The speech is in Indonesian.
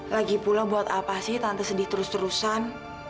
lagi pulang buat apa sih tante sedih terus terusan